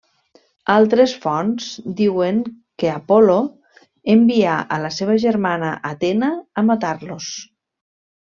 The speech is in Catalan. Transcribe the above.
Altres fonts diuen que Apol·lo envià a la seva germana Atena a matar-los.